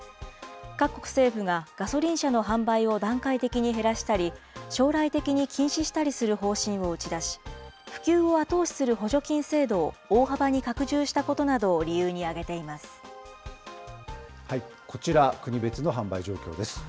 各国政府がガソリン車の販売を段階的に減らしたり、将来的に禁止したりする方針を打ち出し、普及を後押しする補助金制度を大幅に拡充したことなどを理由に挙こちら、国別の販売状況です。